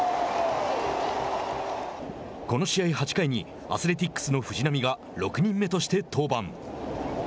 この試合８回にアスレティックスの藤浪が６人目として登板。